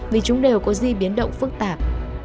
vì chúng đều có di biến động phức tạp